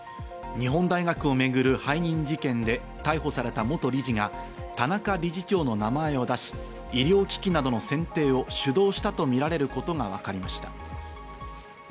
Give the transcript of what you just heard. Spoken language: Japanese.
日本大学を巡る背任事件で逮捕された元理事が、田中理事長の名前を出し、医療機器などの選定を主導したとみられることがわかりました。